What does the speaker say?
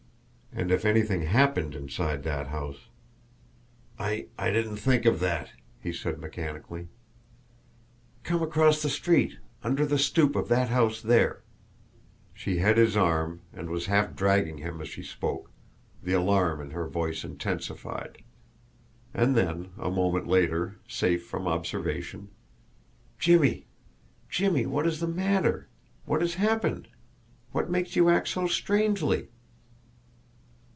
And if anything HAPPENED inside that house! "I I didn't think of that," he said mechanically. "Come across the street under the stoop of that house there." She had his arm, and was half dragging him as she spoke, the alarm in her voice intensified. And then, a moment later, safe from observation: "Jimmie, Jimmie, what is the matter? What has happened? What makes you act so strangely?"